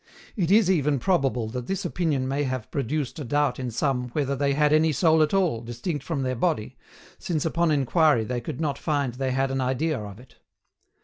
It is even probable that this opinion may have produced a doubt in some whether they had any soul at all distinct from their body since upon inquiry they could not find they had an idea of it.